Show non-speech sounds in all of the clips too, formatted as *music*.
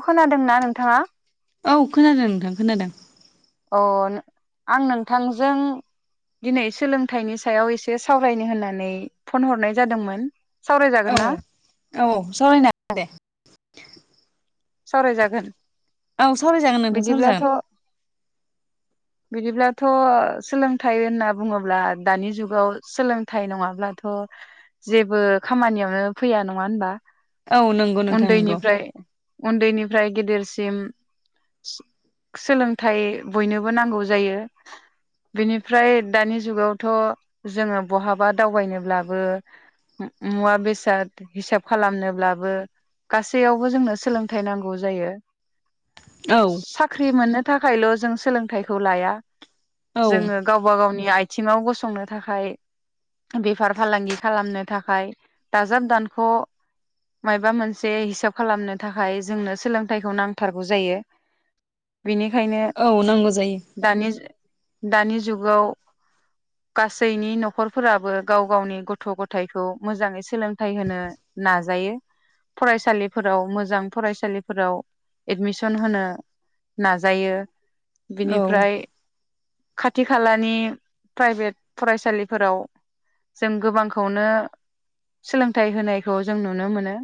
अ खोनादोंना नोंथाङा? औ खोनादों नोंथां खोनादों। अ आं नोंथांजों दिनै सोलोंथाइनि सायाव एसे सावरायनो होननानै फन हरनाय जादोंमोन। औ सावरायजागोन ना औ सावरायनो हागोन दे। सावरायजागोन *inaudible* औ सावराय जागोन नोंथां सावराय बिदिब्लाथ' जागोन। बिदिब्लाथ' सोलोंथाइ होनना बुङोब्ला दानि जुगाव सोलोंथाइ नङाब्लाथ' जेबो खामानियावनो फैया नङा होनबा? औ नोंगौ नोंथां नोंगौ। उन्दैनिफ्राय उन्दैनिफ्राय गेदेरसिम सोलोंथाइ बयनो बो नांगौ जायो बिनिफ्राय दानि जुगावथ' जोङो बहाबा दावबायनोब्लाबो मुवा बेसाद हिसाब खालामनोब्लाबो गासैयावबो जोंनो सोलोंथाइ नांगौ जायो। औ साख्रि मोननो थाखायल' जों सोलों थायखौ लाया जोङो औ गावबा गावनि आइ थिङाव गसंनो थाखाय बेफार फालांगि खालामनो थाखाय दाजाब दानख' माबा मोनसे हिसाब खालामनो थाखाय जोंनो सोलोंथाइखौ नांथारगौ जायो। बेनिखायनो औ नांगौ जायो दानि दानि जुगाव गासैनि न'खरफोराबो गाव गावनि गथ' गथायखौ मोजाङै सोलोंथाइ होनो नाजायो फरायसालिफोराव मोजां फरायसालिफोराव एडमिसन होनो नाजायो। औ बिनिफ्राय खाथि खालानि प्राइभेट फरायसालिफोराव जों गोबांखौनो सोलोंथाइ होनायखौ जों नुनो मोनो।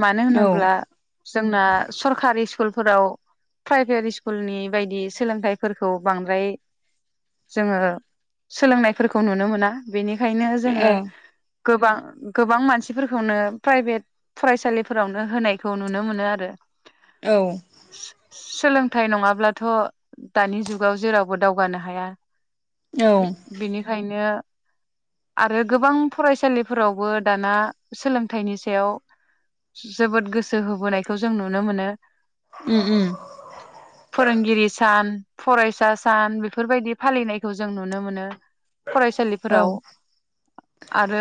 मानो औ होनोब्ला जोंना सरकारि स्कुल फोराव प्राइभेट स्कुलनि बायदि सोलोंथाइफोरखौ बांद्राय जोङो सोलोंनायफोरखौ नुनो मोना बेनिनो ओंखायनो जोङो औ गोबां गोबां मानसिफोरखौनो प्राइभेट फरायसालिफोरावनो होनायखौ नुनो मोनो आरो औ सोलोंथाइ नङाब्लाथ' दानि जुगाव जेरावबो दावगानो हाया। औ बिनिखायनो आरो गोबां फरायसालिफोरावबो दाना सोलोंथाइनि सायाव जोबोद गोसो होबोनायखौ जों नुनो मोनो। फोरोंगिरि *unintelligible* सान फरायसा सान बेफोरबायदि फालिनायखौ जों नुनो मोनो। औ फरायसालिफोराव आरो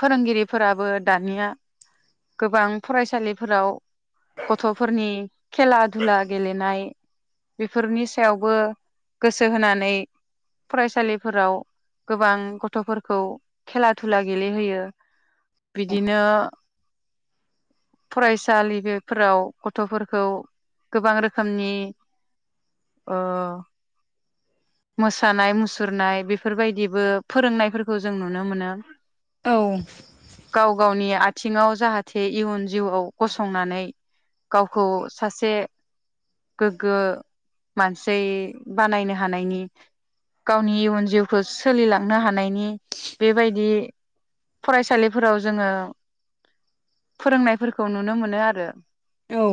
फोरोंगिरिफोराबो दानिया गोबां फरायसालिफोराव गथ'फोरनि खेला धुला गेलेनाय बेफोरनि सायावबो गोसो होनानै फरायसालिफोराव गोबां गथ'फोरखौ खेला दुला गेलेहोयो बिदिनो फरायसालि बेफोराव गथ'फोरखौ गोबां रोखोमनि ओयो मोसानाय मुसुरनाय बेफोरबायदिबो फोरोंनायफोरखौ जों नुनो मोनो। औ गाव गावनि आथ बिथिङाव जाहाथे इयुन जिउआव गसंनानै गावखौ सासे गोग्गो मानसि बानायनो हानायनि गावनि इयुन जिउखौ सोलिलांनो हानायनि बेबायदि फरायसालिफोराव जोङो फोरोंनायफोरखौ नुनो मोनो आरो। औ।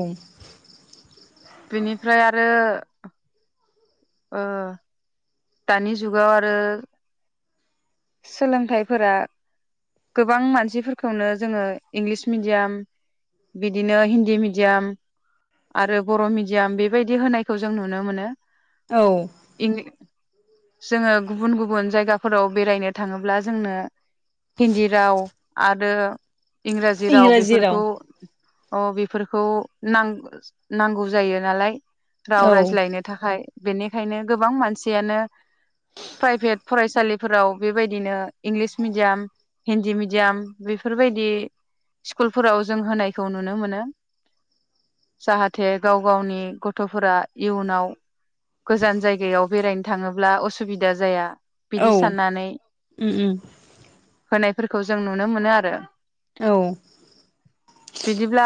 बिनिफ्राय आरो। ओयो। दानि जुगाव आरो सोलोंथाइफोरा गोबां मानसिफोरखौनो जोङो इंलिस मिडियाम बिदिनो हिन्दी मिडियाम आरो बर' मिडियाम बेबायदि होनायखौ जों नुनो मोनो। औ। जोङो गुबुन गुबुन जायगाफोराव बेरायनो थाङोब्ला जोंनो हिन्दी राव आरो इंराजि राव बेफोरखौ अ बे फोरखौ नां-नांगौ जायो नालाय। राव औ रायज्लायनो थाखाय। बेनिखायनो गोबां मानसियानो प्राइभेट फरायसालिफोराव बेबायदिनो इंलिस मिडियाम हिन्दी मिडियाम बिफोरबायदि सिकुलफोराव जों होनायखौ नुनो मोनो जाहाथे गाव गावनि गथ'फोरा इयुनाव गोजान जायगायाव बेरायनो थाङोब्ला असुबिदा जाया। औ बिदि साननानै। उम उम। होनायफोरखौ जों नुनो मोनो आरो। औ बिदिब्ला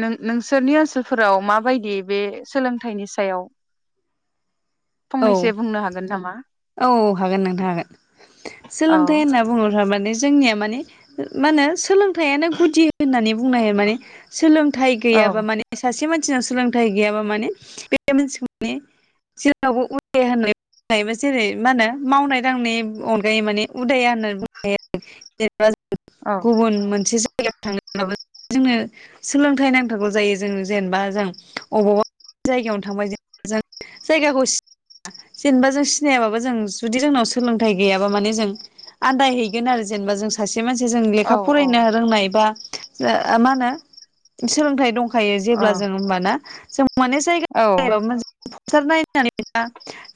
नों नोंसोरनि ओनसोलफोराव मा बायदि बे सोलोंथाइनि सायाव? औ फंनैसो बुंनो हागोन नामा? गोन नोंथां हागोन औ सोलोंथाय होनना बुङोब्ला माने जोंनिया माने ओ मा होनो सोलोंथाइआनो गुदि होननानै बुंनो हायो माने सोलोंथाइ औ गैयाबा माने सासे मान जोंहा सोलोंथाइ गैया बा माने बे मिनसिखौ माने जे *unintelligible* बा जों औ गुबुन मोनसे जाय *unintelligible* थांङो जोंनो सोलोंथाइ नांथारगौ जायो जों जेनेबा जों अबावबा जायगायावनो थांबाय जेनेबा जों जायगाखौ जेनेबा जों सिनायाबाबो जों जुदि जोंनाव सोलोंथाइ गैयाबा माने जों आदाय हैैगोन आरो जेनेबा जों सासे ज मानसि जों औ लेखा फरायनो रोंनाय बा ओ ओ मा होनो सोलोंथाइ दं। हायो जेब्ला जों होनबाना‌ माने‌ जायगा औ *unintelligible* *unintelligible* *unintelligible*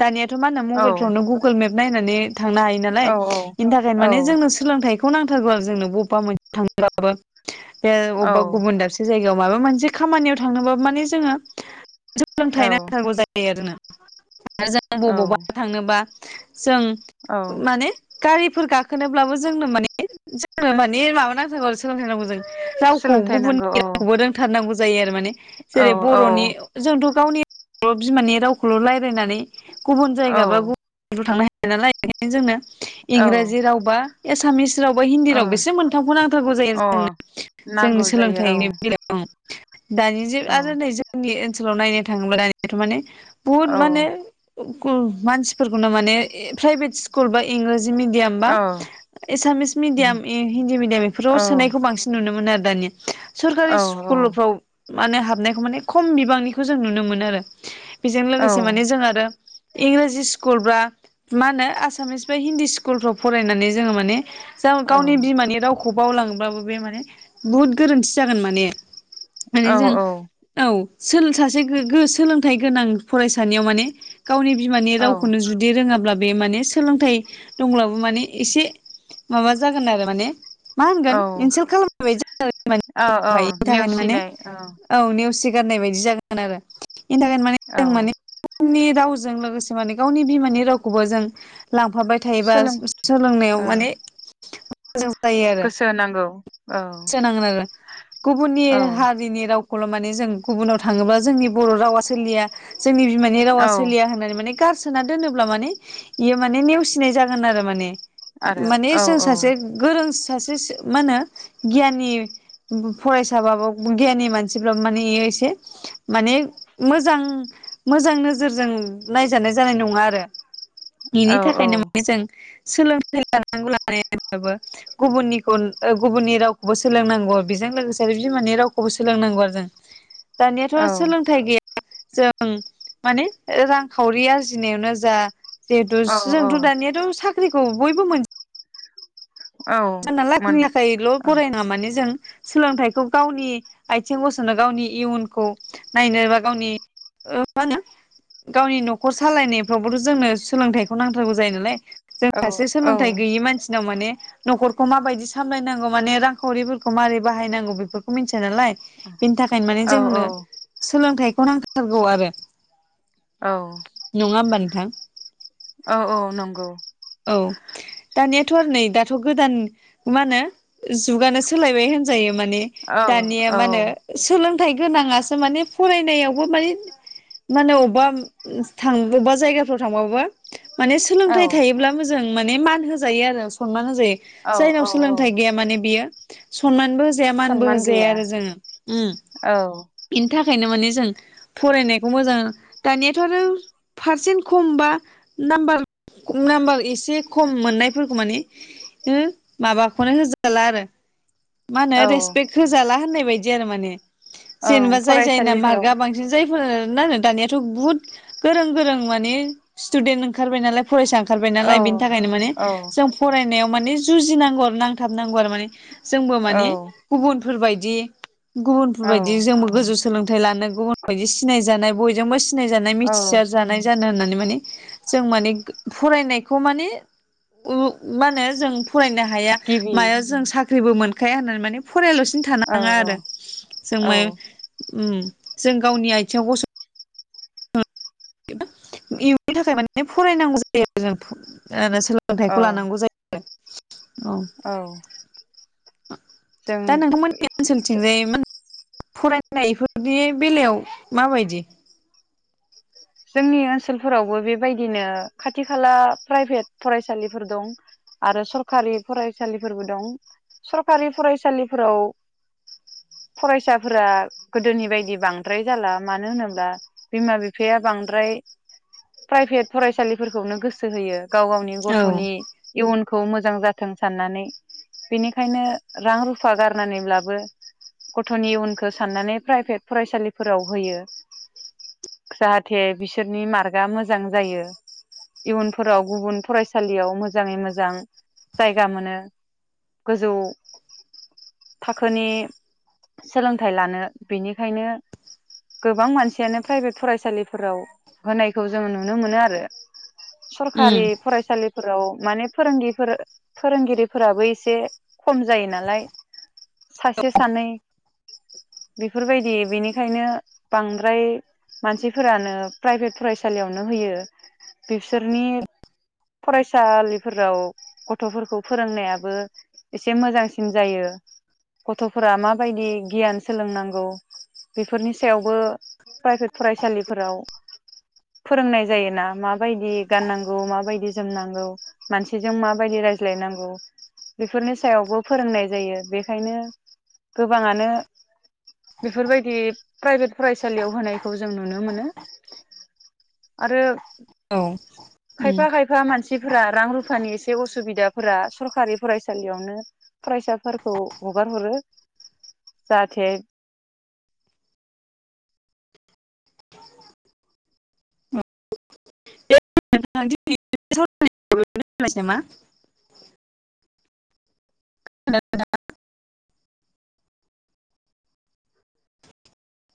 दानिया थु' मा होनो मबाइलफ्रावनो औ गुगोल मेप नायनानै। थांनो हायो नालाय बेनि थाखायनो औ माने जोंनो सोलोंथाइखौ नां जोंनो बबेबा मोन थांब्लाबो बे अबेबा औ गुबुन दाबसे जायगायाव माबा मोनसे खामानियाव थांनोबा‌ माने जोङो। औ सोलोंथाइ नांथारगौ जायो आरो जोंनो। आरो जों औ बबावबा थांनोबा जों औ माने गारिफोर गाखोनोब्लाबो जोंनो माने जोंनो माने माबा नांथारौ आरो सोलोंथाइ नांगौ जों रावखौ सोलोंथाइ नांगौ गुबुननि औ रावखौबो रोंथारनांगौ जा जायो आरो माने। औ जेरै औ बर'नि जोंथ' गावनि बर' बिमानि राव। खौल' रायजलायनानै गुबुन औ जायगा बा गुबुन थांनो हाया। *unintelligible* जोंनो औ इंराजि रावबा एसामिस रावबा हिन्दी ओ राव बेसो मोनथामखौ नांथारगौ जायो अ जोंनो जोंनो नांगौ जायो सोलोंथाइनि बेलायाव। दानि जे औ आरो नै जोंनि ओ ओनसोलाव नायनो थाङोब्ला दानियाथ' माने बुहुद औ माने *unintelligible* मानसिफोरखौनो माने प्राइभेट स्कुल बा इंलिस मिडियाम बा औ एसामिस मिडियाम इ हिन्दी मिडियाम बेफोराव औ सोनायखौ बांसिन नुनो मोनो आरो दानिया औ सोरकारि स्कुलफ्राव माने हाबनायखौ माने खम बिबांनिखौ जों नुनो मोनो आरो बेजों औ लोगोसे माने जों आरो इंराजि स्कुल बा मा होनो आसामिस बा हिन्दी स्कुलफ्राव फरायनानै जोङो माने जों गावनि बिमानि रावखौ बावलाङोब्लाबो बे माने बुहुद गोरोन्थि जागोन माने माने औ जों औ। सोल सासे गो गो सोलोंथाइ गोनां फरायसानियाव माने गावनि बिमानि औ रावखौनो जुदि रोङाब्ला बे माने सोलोंथाइ दंब्लाबो माने एसे माबा जागोन आरो माने मा औ होनगोन? इन्टसेल खालामनाय बादि जागोन आरो औ इनि थाखायनो माने नेवसिनाय औ नेवसि गारनाय बादि जागोन आरो नि थाखाय औ जों माने उननि रावजों लोगोसे माने गावनि बिमानि रावखौबो जों लांफाबाय थायोबा सोलों सोलोंनायाव ओ माने मोजां जायो आरो गोसो होनांगौ औ सोनांगोन आरो गुबुननि औ हारिनि राव खौल' माने जों गुबुनाव थाङोबा जोंनि बर' रावा सोलिया। जोंनि बिमानि रावा औ सोलिया होननानै माने गारस सोना दोनोब्ला माने इयो माने नेवसिनाय जागोन आरो माने आरो माने औ जों सासे गोरोंस सासेस मा होनो? गियानि बो-बो फरायसाबाबो बो गियानि मानसिफ्राबो माने इयो एसे माने मोजां मोजां नोजोरजों नायजानाय जानाय नङा आरो। औ बिनि थाखायनो माने जों सोलोंथाइ लानांगौ लानाया होनबाबो गुबुननिखौ गुबुननि राव बो सोलोंनांगौ बेजों लोगोसे बिमानि रावखौबो सोलोंनांगौ आरो जों। दानियाथ औ सोलोंथाइ गैया जों माने रांखावरि आरजिनायावनो जा। जिहेथु औ औ जोंथ दानियाथ साख्रि खौ बयबो मोनजोब औ जानना मोन लाखैनि लाैल फरायनाङा माने जों। सोलोंथाइखौ गावनि आथिं गसंनो गावनि इयुनखौ नायनो बा गावनि ओ मा होनो गावनि नखर सालायनायफ्रावबोथ जोंनो सोलोंथाइखौ नांथारगौ जायो नालाय। जों औ सासे औ सोलोंथाइ गैयि मानसिनाव माने नखरखौ माबायदि सामलायनांगौ माने रांखावरिफोरखौ माबारै बाहायनांगौ बेफोरखौ मिथिया नालाय। बेनि थाखायनो माने औ जोंनो सोलोंथाइ खौ नांथारगौ आरो औ नङा होमबा नों नोंथां औ औ नंगौ। औ दानियाथ आरो नै दा दाथ गोदान मा होनो जुगानो सोलायबाय होनजायो माने औ दानिया औ मा होनो सोलोंथाइ थाइ गोनाङासो माने फरायनायावबो माने मा होनो अबबा थां अबबा जायगाफ्राव थांबाबो माने औ सोलोंथाइ थायोब्ला मोजां माने मान होजायो आरो सनमान होजा जायो औ जायनाव औ औ सोलोंथाइ गैया माने बियो सनमानबो होजा जाया मानबो सनमान होजाया गैया आरो जोङो उम औ बिनि थाखायनो माने स जों फरायनायखौ मोजां दानियाथ आरो पारसेन्ट खम बा नामबार नाम्बार एसे खम मोननायफोरखौ माने हुम माबाखौनो होजाला आरो मा होनो औ रेसपेक्ट होजाला होननाय बायदि इदि आरो माने ओं जेनेबा जाय जायना फरायसालिफोराव मार्कआ बांसिन जायफोरो दानियाथ बुहुत गोरों गोरों माने स्टुदेन्ट ओंखारबाय नालाय फरायसा ओंखारबाय औ नालाय बेनि थाखायनो माने औ जों फरायनायाव माने जुजिनांगौ नांथाबनांगौ आरो माने जोंबो औ माने गुबुनफोर बायदि इदि औ गुबुनफोरबायदि जोंबो गोजौ सोलों फथाय लानो गुबुन बायदि सिनायजानाय बयजोंबो सिनाय सिनायजानाय औ मिथिसार जानाय जानो होननानै माने जों माने फरायनायखौ माने मा होनो *unintelligible* जों फरायनो हाया गिबि मायाव जों साख्रिबो मोन खाया होननानै माने फरायाल'सिनो औ थानाङा औ आरो जों औ माय उम जों गावनि आथिंआव गसं इयुननि थाखाय माने फरायनांगौ जायो आरो जों *unintelligible* सोलोंथाइखौ औ लानांगौ जायो औ जों दा नोंथांमोननि ओनसोललथिं *unintelligible* फरायनायफोरनि बेलायाव माबायदि? जोंनि ओनसोलफोरावबो बेबायदिनो खाथि खाला प्राइभेट फरायसालिफोर दं आरो सरखारि फरायसालिफोरबो दं सरखारि फरायसालिफोराव फरायसाफोरा गोदोनि बायदि बांद्राय जाला मानो होनोब्ला बिमा बिफाया बांद्राय प्राइभेट फरायसालिफोरखौनो गोसो होयो। गाव गावनि औ गथ'नि इयुन खौ मोजां जाथों साननानै बेनिखायनो रां रुफा गारनानैब्लाबो गथ'नि इउनखो साननानै प्राइभेट फरायसालिफोराव होयो *unintelligible* जाथे बिसोरनि मार्कआ मोजां जायो इयुनफोराव गुबुन फरायसालियाव मोजाङै मोजां जायगा मोनो गोजौ थाखोनि सोलोंथाइ लानो बेनिखायनो गोबां मानसियानो प्राइभेट फरायसालि फोराव होनायखौ जोंङो नुनो मोनो आरो उम सरखारि फरायसालिफोराव माने फोरोंगिरिफोर फोरोंगिरिफोराबो एसे खम जायो नालाय सासे सानै बेफोरबायदि बेनिखायनो बांद्राय मानसि फोरानो प्राइभेट फरायसालियावनो होयो। बिसोरनि फरायसालिफोराव गथ'फोरखौ फोरोंनायाबो एसे मोजांसिन जायो गथ'फोरा माबायदि गियान सोलोंनांगौ बेफोरनि सायावबो प्राइभेट फरायसालि फोराव फोरोंनाय जायोना माबायदि गाननांगौ माबायदि जोमनांगौ मानसिजों माबायदि रायज्लायनांगौ बेफोरनि सायावबो फोरोंनाय जायो बेखायनो गोबाङानो बेफोरबायदि प्राइभेट फरायसालियाव होनायखौ जों नुनो मोनो आरो औ उम खायफा खायफा मानसिफोरा रां रुफा एसे असुबिदाफोरा सरकारि फरायसालियावनो फरायसाफोरखौ हगार हरो जाहाथे *inaudible* नोंथां *unintelligible* *unintelligible* *inaudible*